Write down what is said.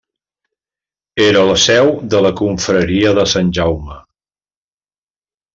Era la seu de la confraria de Sant Jaume.